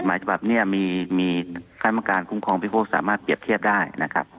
ผลหมายภาพเนี่ยมีธรรมการคุ้มครองพิโภคสามารถเปรียบเทียบได้นะครับ